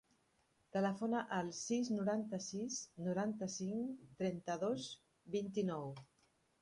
Telefona al sis, noranta-sis, noranta-cinc, trenta-dos, vint-i-nou.